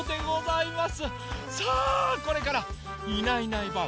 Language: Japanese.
さあこれから「いないいないばあっ！